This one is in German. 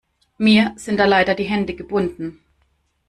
Mir sind da leider die Hände gebunden.